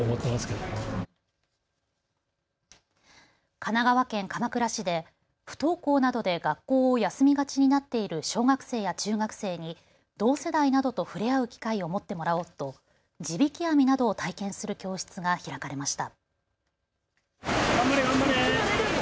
神奈川県鎌倉市で不登校などでが学校を休みがちになっている小学生や中学生に同世代などと触れ合う機会を持ってもらおうと地引き網などを体験する教室が開かれました。